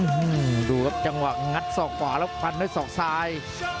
อืมดูครับจังหวะงัดศอกขวาแล้วฟันด้วยศอกซ้าย